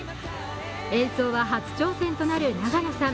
演奏は初挑戦となる永野さん。